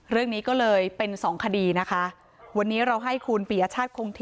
เรื่องนี้ก็เลยเป็นสองคดีนะคะวันนี้เราให้คุณปียชาติคงที่